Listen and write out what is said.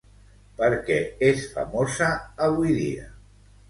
Per què és famosa avui dia?